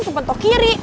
ke pentok kiri